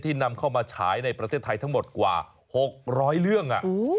ที่นำเข้ามาฉายไทยทั้งหมดกว่า๖๐๐เรื่อง